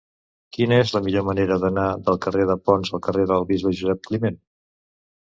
Quina és la millor manera d'anar del carrer de Ponts al carrer del Bisbe Josep Climent?